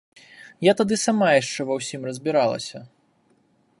Я тады сама яшчэ ва ўсім разбіралася.